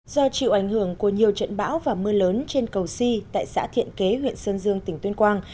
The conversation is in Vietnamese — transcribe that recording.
do chịu ảnh hưởng của nhiều trận bão và mưa lớn trên cầu si tại xã thiện kế huyện sơn dương tỉnh tuyên quang